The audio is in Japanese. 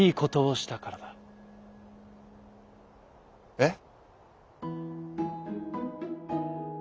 「えっ」。